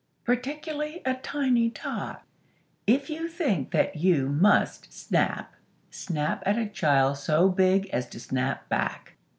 Particularly a tiny tot. If you think that you must snap, snap at a child so big as to snap back.